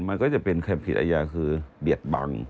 มันก็จะเป็นใครผิดอาญาคือเบียดบัง